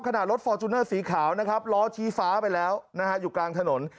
รถฟอร์จูเนอร์สีขาวนะครับล้อชี้ฟ้าไปแล้วนะฮะอยู่กลางถนน